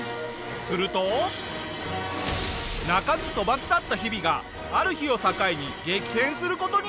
すると鳴かず飛ばずだった日々がある日を境に激変する事になるぞ。